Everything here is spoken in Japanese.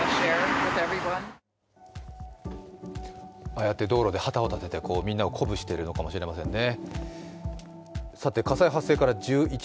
ああやって道路で旗を立ててみんなを鼓舞しているのかもしれませんね。